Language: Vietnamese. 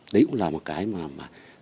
đấy cũng là một cái mà